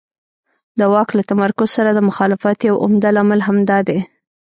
د واک له تمرکز سره د مخالفت یو عمده لامل همدا دی.